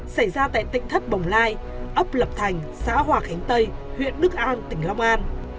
xảy ra tại tỉnh thất bồng lai ấp lập thành xã hòa khánh tây huyện đức an tỉnh long an